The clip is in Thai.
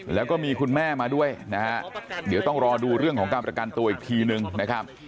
แล้วก็มีคุณแม่มาด้วยนะฮะเดี๋ยวต้องรอดูเรื่องของการประกันตัวอีกทีนึงนะครับ